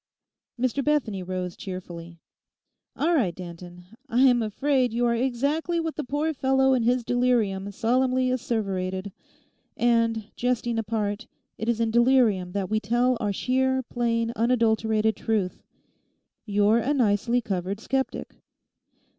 _' Mr Bethany rose cheerfully. 'All right, Danton; I am afraid you are exactly what the poor fellow in his delirium solemnly asseverated. And, jesting apart, it is in delirium that we tell our sheer, plain, unadulterated truth: you're a nicely covered sceptic.